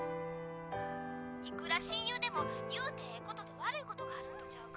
「いくら親友でも言うてええことと悪いことがあるんとちゃうか？」。